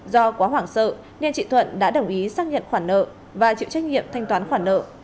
do quá hoảng sợ nên chị thuận đã đồng ý xác nhận khoản nợ và chịu trách nhiệm thanh toán khoản nợ